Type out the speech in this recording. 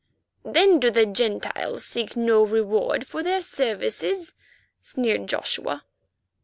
"Then do the Gentiles seek no reward for their services?" sneered Joshua.